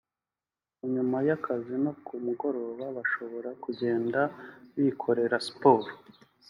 aho nyuma y’akazi no ku mugoroba bashobora kugenda bikorera siporo